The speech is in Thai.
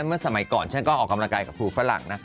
เมื่อสมัยก่อนฉันก็ออกกำลังกายกับครูฝรั่งนะ